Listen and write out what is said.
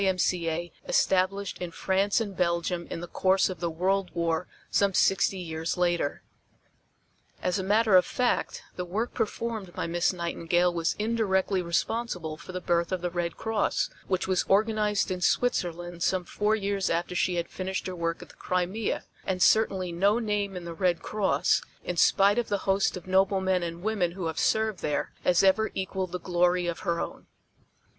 M.C.A. established in France and Belgium in the course of the World War some sixty years later. As a matter of fact the work performed by Miss Nightingale was indirectly responsible for the birth of the Red Cross which was organized in Switzerland some four years after she had finished her work at the Crimea, and certainly no name in the Red Cross, in spite of the host of noble men and women who have served there, has ever equaled the glory of her own.